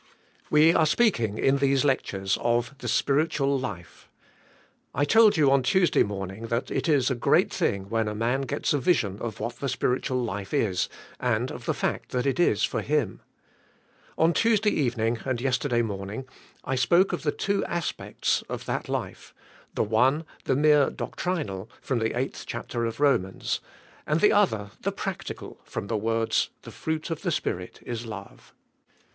We are speaking", in these lectures, of the spirit ual life. I told jou on Tuesday morning that it is a great thing when a man g ets a vison of what the spiritual life is, and of the fact that it is for ///;;/. On Tuesday evening and yesterday morning I spoke of the two aspects of that life — the one, the mere doctrinal, from the eighth chapter of Ro mans; and the other, the practical, from the words, "The fruit of the Spirit is love."